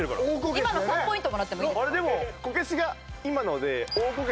今の３ポイントもらってもいいですか？